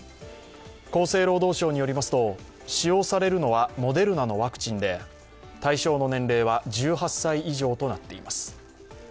厚生労働省によりますと、使用されるのはモデルナのワクチンで対象の年齢は１８歳以上となっています。